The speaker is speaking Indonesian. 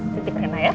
tidak diperkenal ya